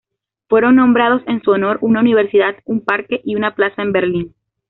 Fueron nombrados en su honor una universidad, un parque y una plaza en Berlín.